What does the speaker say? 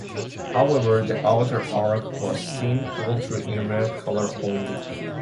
However, the outer arch was seen all through in red colour only.